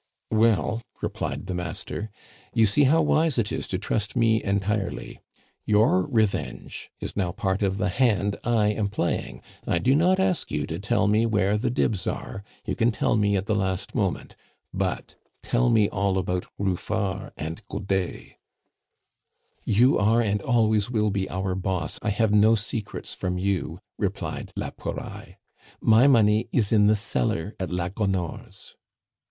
"Well," replied the master, "you see how wise it is to trust me entirely. Your revenge is now part of the hand I am playing. I do not ask you to tell me where the dibs are, you can tell me at the last moment; but tell me all about Ruffard and Godet." "You are, and you always will be, our boss; I have no secrets from you," replied la Pouraille. "My money is in the cellar at la Gonore's."